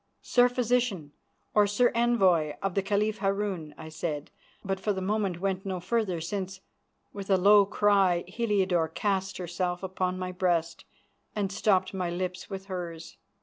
"Sir Physician, or Sir Envoy of the Caliph Harun," I said; but for the moment went no further, since, with a low cry, Heliodore cast herself upon my breast and stopped my lips with hers.